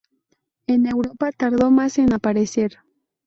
En Europa tardó más en aparecer.